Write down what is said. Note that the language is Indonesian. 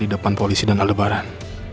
di depan polisi dan alebaran